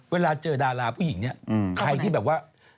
เวลาเจอดาราผู้หญิงเนี่ยใครที่แบบว่า